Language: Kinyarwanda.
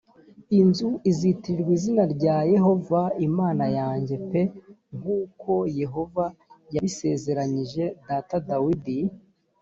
inzu izitirirwa izina rya yehova imana yanjye p nk uko yehova yabisezeranyije data dawidi